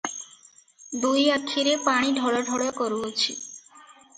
ଦୁଇ ଆଖିରେ ପାଣି ଢଳ ଢଳ କରୁଅଛି ।